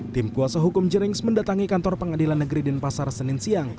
tim kuasa hukum jerings mendatangi kantor pengadilan negeri denpasar senin siang